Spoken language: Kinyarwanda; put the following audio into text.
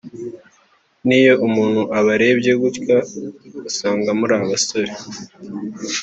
niyo umuntu abarebye gutya usanga muri abasore